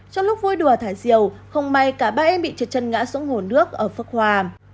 trong lúc vui đùa thải diều không may cả ba em bị trượt chân ngã xuống hồ nước ở phước hòa